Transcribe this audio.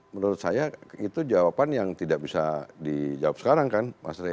menurut saya itu jawaban yang tidak bisa dijawab sekarang kan mas rey